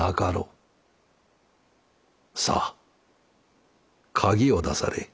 さあ鍵を出されい。